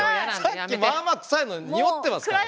さっきまあまあ臭いのにおってますからね。